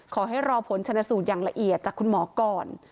ขอให้รอผลชนสูตรอย่างละเอียดจากคุณหมอก่อน